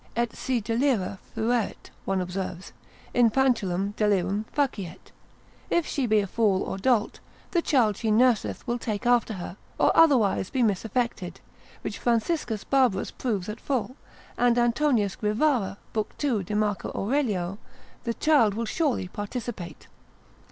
Et si delira fuerit (one observes) infantulum delirum faciet, if she be a fool or dolt, the child she nurseth will take after her, or otherwise be misaffected; which Franciscus Barbarus l. 2. c. ult. de re uxoria proves at full, and Ant. Guivarra, lib. 2. de Marco Aurelio: the child will surely participate.